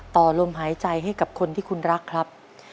ต่อลมหายใจให้กับคนที่คุณรักครับ